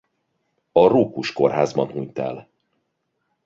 A Rókus kórházban hunyt el.